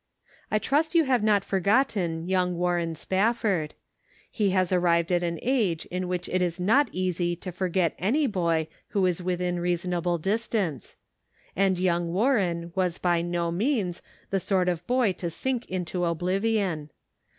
I trust you have not forgotten young Warren Spafford ; he has arrived at an age in which it is not easy to for get any boy who is within reasonable distance ; and young Warren was by no means the sort of boy to sink into oblivion.